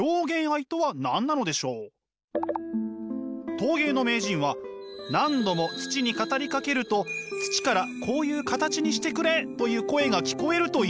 陶芸の名人は何度も土に語りかけると土からこういう形にしてくれという声が聞こえるといいます。